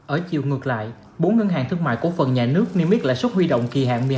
ở chiều ngược lại bốn ngân hàng thương mại của phần nhà nước niêm yết lãi suất huy động kỳ hạn